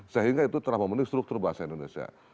sehingga itu telah memenuhi struktur bahasa indonesia